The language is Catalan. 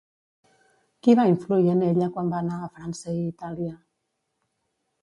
Qui va influir en ella quan va anar a França i Itàlia?